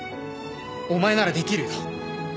お前なら出来るよ。